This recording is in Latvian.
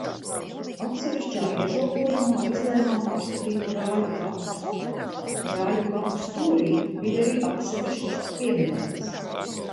Atsevišķā iežogojumā izlēmām apskatīti Brāļu kapus. Brāļu kapu stūrī bija arī atsevišķs piemineklis.